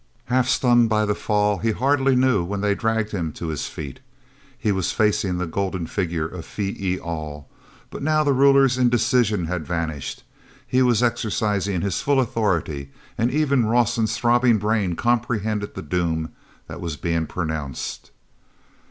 Half stunned by the fall, he hardly knew when they dragged him to his feet. He was facing the golden figure of Phee e al, but now the ruler's indecision had vanished. He was exercising his full authority and even Rawson's throbbing brain comprehended the doom that was being pronounced.